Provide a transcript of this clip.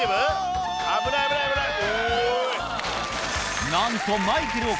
危ない危ない危ない！